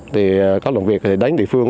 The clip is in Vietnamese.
thì có lòng việc đánh địa phương